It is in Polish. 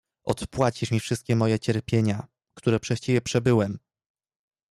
"Odpłacisz mi wszystkie moje cierpienia, które przez ciebie przebyłem!"